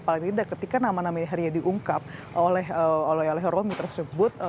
paling tidak ketika nama nama ini harinya diungkap oleh oleh romi tersebut